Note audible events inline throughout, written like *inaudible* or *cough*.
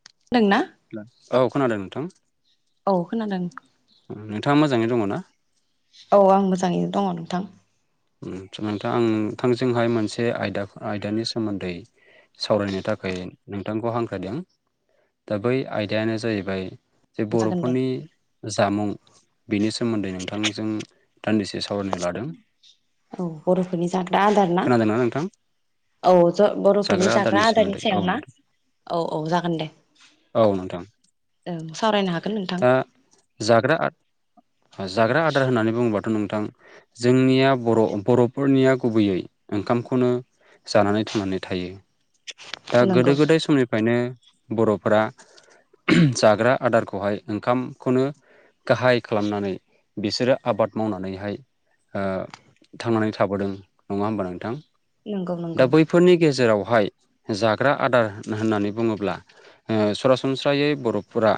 *unintelligible* *unintelligible* औ खोनादों नोंथां। औ खोनादों। नोंथाङा मोजाङै दङ ना? औ आं मोजाङैनो दङ नोंथां। *unintelligible* नोंथांं नोंथांजोंहाय मोनसे आयदा आयदानि सोमोन्दै सावरायनो थाखाय नों नोंथांखौ हांख्रायदों दा बै आयदायानो जाहैबाय जे औ जागोन दे बर'फोरनि जामुं बिनि सोमोन्दै नोंथांजों दान्दिसे सावरायनो लादों। औ बर'फोरनि जाग्रा आदार ना खोनादोंना नोंथां औ ज' बर'फोरनि जाग्रा आदारनि सोमोन्दै औ सायाव ना नोंथां औ औ जागोन दे। औ नोंथां ओं सावरायनो हागोन नोंथां दा जाग्रा जाग्रा आदार होननानै बुङोबाथ' नों थां जोंनिया बर' बर'फोरनिया गुबैयै ओंखामखौनो जानानै थांनानै थायो। दा नंगौ गोदो गोदाय समनिफ्रायनो बर'फोरा जाग्रा आदारखौहाय ओंखामखौनो गाहाय खालामनानै बिसोरो आबाद मावनानैहाय थांनानै ओ थाबोदों नङा होमबा नोंथां? नंगौ दा नंगौ बैफोरनि गेजेराव हाय जाग्रा आदार होननानै बुङोब्ला ओ सरासनस्रायै बर'फोरा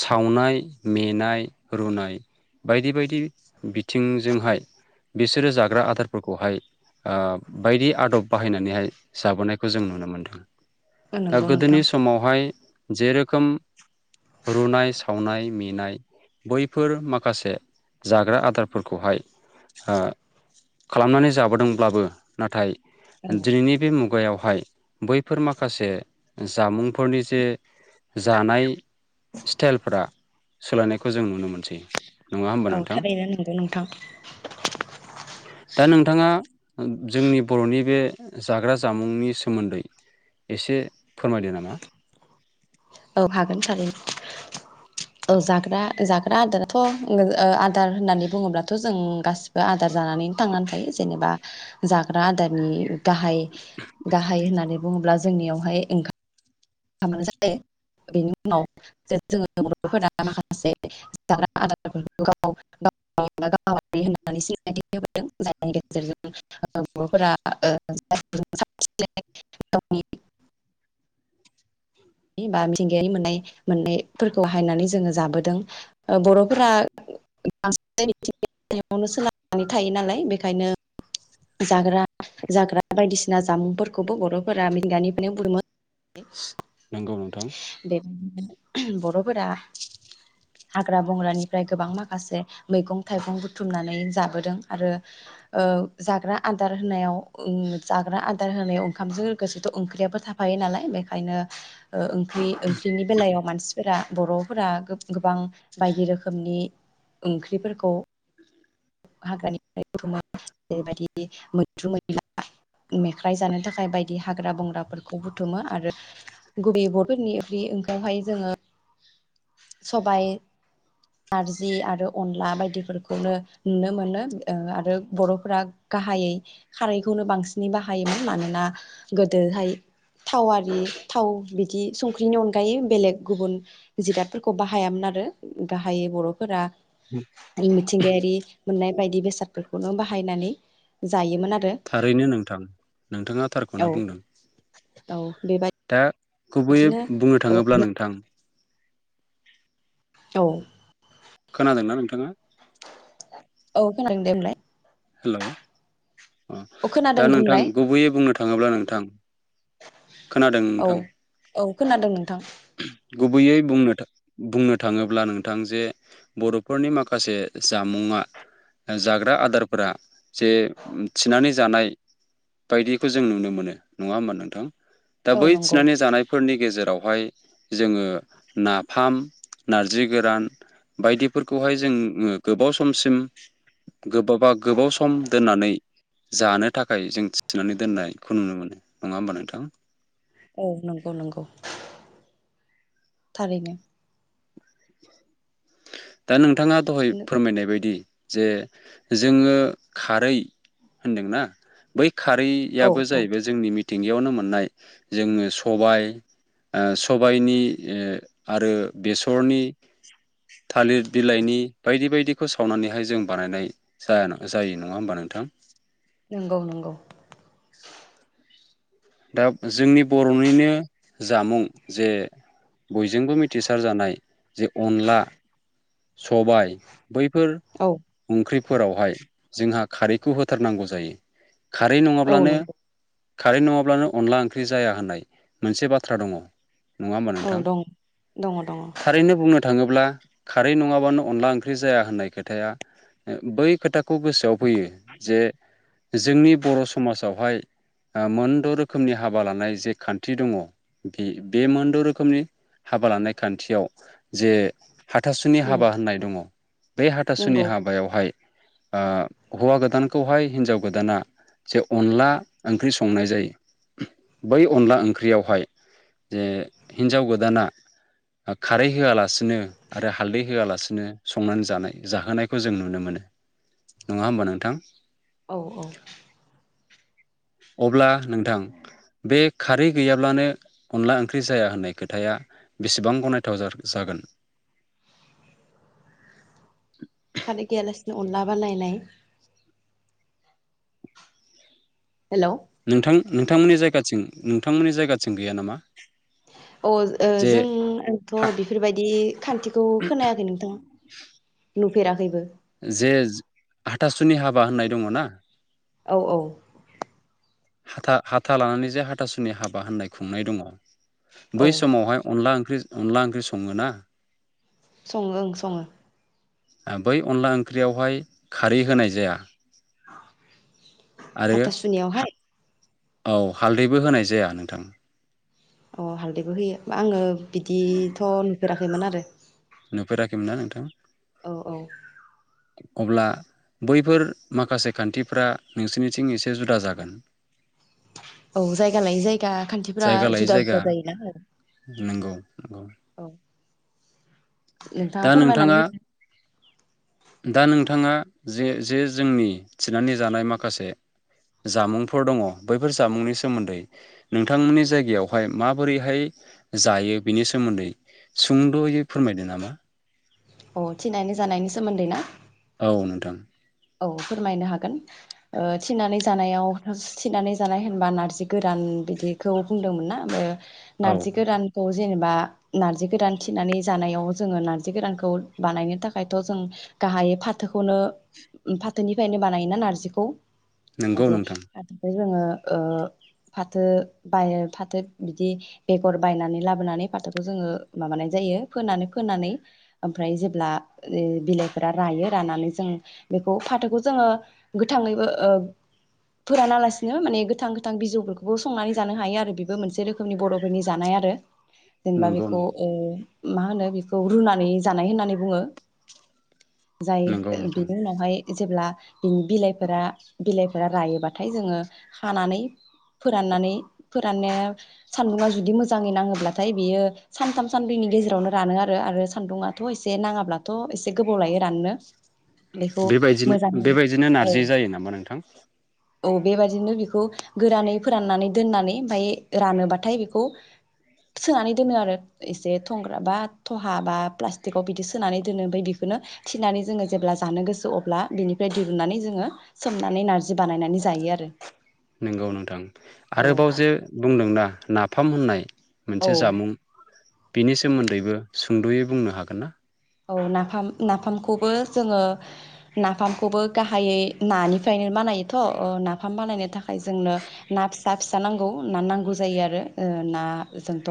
सावनाय मेनाय रुनाय बायदि बायदि बिथिंजोंहाय बिसोरो जाग्रा आदारफोरखौहाय ओ बायदि आदब बाहायनानैहाय जाबोनायखौ जों नुनो मोनदों। दा नंगौ नोंथां गोदोनि समावहाय जे रोखोम रुनाय सावनाय मेनाय बैफोर माखासे जाग्रा आदारफोरखौहाय ओ खालामनानै जाबोदोंब्लाबो नाथाय औ दिनैनि बे मुगायाव हाय बैफोर माखासे जामुंफोरनि जे जानाय स्टाइलफोरा सोलायनायखौ जों नुनो मोनसै। नङा होनबा औ नोंथां थारैनो नंगौ नोंथां दा नोंथाङा। जोंनि बर'नि बे जाग्रा जामुंनि सोमोन्दै। एसे फोरमायदो नामा। औ हागोन हागोन औ जाग्रा जाग्रा आदाराथ' आदार होननानै बुङोब्लाथ' जों गासिबो आदार जानानै थांनानै थायो जेनेबा जाग्रा आदारनि गाहाय गाहाय होननानै बुङोब्ला जोंनियावहाय ओंखाम जायो बेनि उनाव जोङो बर'फोरा माखासे जाग्रा आदारफोरखौ गाव होननानै सिनायथि होबोदों जायनि गेजेरजों बर'फोरा बा मिथिंगायारि मोननाय मोननायफोरखौ हायनानै जोङो जाबोदों बर'फोरा बांसिन मिथिंगाजोंनो सोनारनै थायो नालाय बेखायनो जाग्रा जाग्रा बायदिसिना जामुंफोरखौबो बर'फोरा मिथिंगानिफ्रायनो बुथुमो। नंगौ नोंथां। बर'फोरा हाग्रा बंग्रानिफ्राय गोबां माखासे मैगं थाइगं बुथुमनानै जाबोदों आरो जाग्रा आदार होनायाव जाग्रा आदार होनायाव ओंखामजों लोगोसेथ' ओंख्रियाबो थाफायो नालाय बेखायनो। ओ। ओंख्रि ओंख्रिनि बेलायाव मानसि। फोरा बर'फोरा गोबां बायदि रोखोमनि ओंख्रिफोरखौ हाग्रानिफ्राय बुथुमो जेरैबायदि मैद्रु मै मेख्राइ जानो थाखाय बायदि हाग्रा बंग्राफोरखौ बुथुमो आरो गुबै बर'फोरनिओरै ओंख्रिहाय जोङो सबाय नारजि आरो अनला बायदिफोरखौनो नुनो मोनो आरो बर'फोरा गाहायै खारैखौनो बांसिनै बाहायोमोन मानोना गोदोहाय थाव आरि थाव बिदि संख्रिनि अनगायै बेलेग गुबुन जिगादफोरखौ बाहायामोन आरो गाहायै बर'फोरा मिथिंगायारि मोननाय बायदि बेसादफोरखौनो बाहायनानै जायोमोन आरो। थारैनो नोंथां नोंथाङा थारखौनो औ बुंदों औ दा। गुबैयै बेबायदिनो बुंनो थाङोब्ला नोंथां। औ। खोनादोंना नोंथाङा। औ खोनादों दे होनलाय। हेल'। अ औ खोनादों दा बुंलाय नोंथां गुबैयै बुंनो थाङो थाङोब्ला नोंथां। खोनादों औ नोंथां औ खोनादों नोंथां। गुबैयै बुंनो बुंनो थाङोब्ला नोंथां जे बर'फोरनि माखासे जामुङा जाग्रा आदार। फोरा जे थिनानै जानाय बायदिखौ जों नुनो मोनो नङा होमबा नोंथां। दा औ बै नंगौ थिनानै जानायफोरनि। गेजेरावहाय जोङो नाफाम नारजि गोरान बायदिफोरखौहाय जो गोबाव समसिम गोबाबा। गोबाव सम दोननानै जानो थाखाय जों थिनानै दोननायखौ नुनो मोनो नङा होमबा नोंथां। औ नंगौ नंगौ थारैनो। दा नों नोंथाङा दहाय औ फोरमायनाय बायदि। जे जोङो खारै होनदोंना बै। खारैआबो औ जाहैबाय जोंनि। मिथिंगिायावनो मोननाय जोङो सबाय सबायाइनि आरो बेसरनि थालिर बिलाइनि बायदि बायदिखौ सावनानैहाय जों बानायनाय जाया जायो नङा होमबा नोंथां। नंगौ नंगौ। दा जोंनि बर'निनो जामुं जे बयजोंबो मिथिसार जानाय। जे अनला सबाय बैफोर औ ओंख्रि फोरावहाय जोंहा खारैखौ होथारनांगौ जायो। खारै औ नङाब्लानो नंगौ खारै नङाबा ब्लानो अनला ओंख्रि जाया होननाय मोनसे बाथ्रा दङ'। नङा होमबा औ नोंथां दं दङ दङ थारैनो बुंनो थाङोब्ला खारै नङाबानो अनला ओंख्रि जाया होननाय खोथाया बै खोथाखौ गोसोआव फैयो जे जोंनि बर' समाजावहाय मोन मोनद' रोखोमनि हाबा लानाय जे खान्थि दङ बे बे मोनद' रोखोमनि हाबा लानाय खान्थियाव जे हाथासुनि उम हाबा होननाय दङ बे हाथासुनि नंगौ हाबायावहाय आ हौवा गोदानखौहाय हिन्जाव गोदाना जे अनला ओंख्रि संनाय जायो। बै अनला ओंख्रियावहाय जे हिन्जाव गोदाना खारै होआलासिनो आरो हालदै होआलासिनो संनानै जानाय जाहोनायखौ जों नुनो मोनो नङा होमबा नोंथां। औ औ अब्ला नोंथां बे खारै गैयाब्लानो अनला ओंख्रि जाया होननाय खोथाया बेसेबां गनायथाव जागोन खारै गैयालासिनो अनला बानायनाय हेलौ नोंथां नोंथांमोननि जायगाथिं नोंथांमोननि जायगाथिं गैया नामा? अ ओ जे जों आंथ' बेफोरबायदि खान्थिखौ खोनायाखै नोंथां फेराखैबो। जे हाथासुनि हाबा होननाय दङ ना? औ औ हाथा-हाथा लानानै जे हाथासुनि हाबा होननाय खुंनाय दङ औ बै समावहाय अनला ओंख्रि ओंख्रि अनला ओंख्रि सङो ना सङो ओं सङो। बै अनला ओंख्रियावहाय खारै होनाय जाया आरो हाथासुनियावहाय? औ हालदैबो होनाय जाया नोंथां। अ हालदैबो होयो आङो बिदिथ' नुफेराखैमोन आरो। नुफेराखैमोन ना नोंथां? औ औ अब्ला बैफोर माखासे खान्थिफ्रा नोंसोरनिथिं एसे जुदा जागोन? औ जायगा लायै जायगा खान्थिफोरा जायगा लायै जुदा जायगा जुदा जायोना औ। नंगौ नंगौ औ नोंथाङा फोरमायनानै होदो। दा नोंथाङा जे-जे जोंनि थिनानै जानाय माखासे जामुंफोर दङ बैफोर जामुंनि सोमोन्दै नोंथांमोननि जायगायावहाय माबोरैहाय जायो बिनि सोमोन्दै सुंद'यै फोरमायदो नामा? अ थिनायनि जानायनि सोमोन्दै ना? औ नोंथां। औ फोरमायनो हागोन थिनानै जानायाव थिनानै जानाय होनबा नारजि गोरान बिदिखौ बुंदोंमोन ना ओमफ्राय औ नारजि गोरानखौ जेनेबा नार्जि गोरान थिनानै जानायाव जोङो नार्जि गोरानखौ बानायनो थाखायथ' जों गाहायै फाथोखौनो फाथोनिफ्रायनो बानायोना नारजिखौ नंगौ जे नोंथां *inaudible* जोङो ओ फाथो बाय फाथो बिदि बेगर बायनानै लाबोनानै फाथोखौ जोङो माबानाय जायो। फोनानै फोनानै ओमफ्राय ओ जेब्ला बिलाइफोरा रायो रानानै जों बेखौ फाथोखौ जोङो गोथाङैबो ओ फोरानालासिनो माने गोथां गोथां बिजौफोरखौबो संनानै जानो हायो। आरो बेबो मोनसे रोखोमनि बर'फोरनि जानाय आरो जेनेबा नंगौ बेखौ नोंथां ओ मा होनो बेखौ रुनानै जानाय होननानै बुङो। जाय नंगौ ओ बि नोंथां बेनि उनावहाय जेब्ला बिनि बिलाइफोरा बिलाइफोरा रायोबाथाय जोङो हानानै फोराननानै फोराननाया सान्दुङा जुदि मोजाङै नाङोब्लाथाय बियो सानथाम सानब्रैनि गेजेरावनो रानो आरो। आरो सान्दुङाथ' एसे नाङाब्लाथ' एसे गोबाव लायो राननो। बेखौ बेबायदिनो मोजाङै बेबायदिनो औ नारजि जायो नामा नोंथां? औ बेबायदिनो बेखौ गोरानै फोराननानै दोननानै ओमफफ्राय रानोबाथाय बेखौ सोनानै दोनो आरो एसे थंग्रा बा थहा बा प्लास्टिकआव बिदि सोनानै दोनो। ओमफ्राय बेखौनो थिनानै जोङो जेब्ला जानो गोसो अब्ला बिनिफ्राय दिरुननानै जोङो सोमनानै नारजि बानायनानै जायो आरो। नंगौ नोंथां औ आरोबाव जे बुंदोंना नाफाम होननाय औ मोनसे जामुं बिनि सोमोन्दैबो सुंद'यै बुंनो हागोन ना? औ नाफाम नाफामखौबो जोङो नाफामखौबो गाहायै नानिफ्रायनो बानायोथ' औ नाफाम बानायनो था खाय जोंनो ना फि सा फिसा नांगौ ना नांगौ जायो आरो ओ ना जोंथ'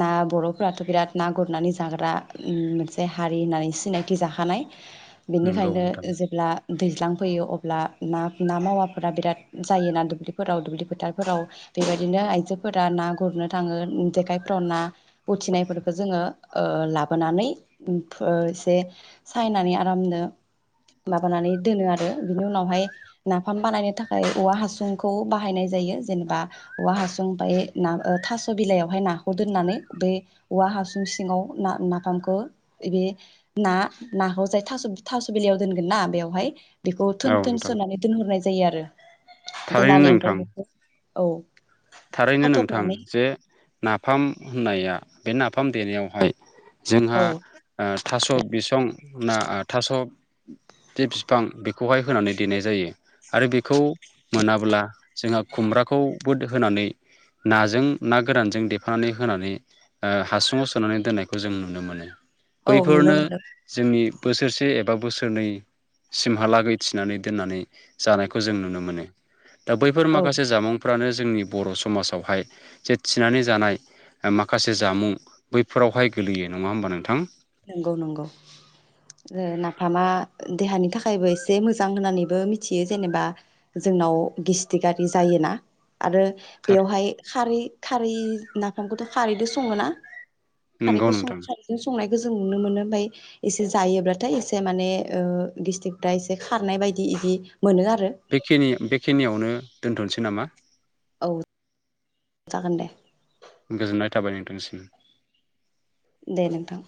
ना बर'फोराथ' बिराद ना गुरनानै जाग्रा मोनसे जे हारि होननानै सिनायथि जाखानाय नंगौ बेनिखायनो नोंथां जेब्ला दैज्लां फैयो अब्ला ना ना मावाफोरा बिराद जायोना दुब्लिफोराव दुब्लि फोथारफोराव बेबायदिनो आइजोफोरा ना गुरनो थाङो जेखायफोराव ना उथिनायफोरखौ जोङो ओ लाबोनानै *unintelligible* एसे सायनानै आरामनो माबानानै दोनो आरो बिनि उनावहाय नाफाम बानायनो थाखाय औवा हासुंखौ बाहायनाय जायो जेनेबा औवा हासुं बफ्राय ना थास' बिलाइयावहाय नाखौ दोननानै बे औवा हासुं सिङाव ना नाफामखौ बे ना नाखौ जाय थास' थास' बिलायाव दोनगोन ना बेवहाय बेखौ औ थोन थोन नोंथां सोनानै दोनहरनाय जायो आरो थारैनो दोन्नानै ओमफ्राय नोंथां बेखौ औ थारैनो नोंथां खाथबनानै जे नाफाम होननाया बे नाफाम देनायावहाय जोंहा औ ओ थास' बिसं ना थास' जे बिफां बेखौहाय होनानै देनाय जायो आरो बेखौ मोनाब्ला जोंहा खुमब्राखौ बुद होनानै नाजों ना गोरानजों देफानानै होनानै हासुङाव सोनानै दोननायखौ जों नुनो मोनो। औ नुनो बैफोरनो मोनो जोंनि बोसोरसे एबा बोसोरनैसिमहालागै थिनानै दोननानै जानायखौ जों नुनो मोनो। दा बैफोर औ माखासे जामुं फ्रानो जोंनि बर' समाजावहाय जे थिनानै जानाय माखासे जामुं बैफोरावहाय गोगलैयो नङा होमबा नोंथां? नंगौ नंगौ नाफामा देहानि थाखायबो एसे मोजां होननानैबो मिथियो जेनेबा जोंनाव गेस्थिकारि जायोना आरो बेवहाय खारै खारै नाफामखौथ' खारैदो सङोना? नंगौ खारैखौ स नोंथां खारैखौ संनाय जों नुनो मोनो ओमफ्राय एसे जायोब्लाथाय एसे माने गिस्टकफ्रा एसे खारनाय बायदि इदि मोनो आरो बेखिनि बेखिनियावनो दोनथ'नोसै नामा? औ जागोन दे। गोजोननाय थाबाय नोंथांनिसिम। दे नोंथां।